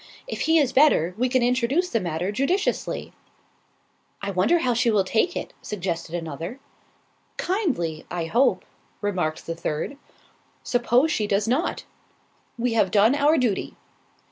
"If he is better, we can introduce the matter judiciously." "I wonder how she will take it?" suggested another. "Kindly, I hope," remarked the third. "Suppose she does not?" "We have done our duty."